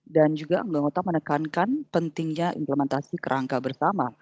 dan juga anggota menekankan pentingnya implementasi kerangka bersama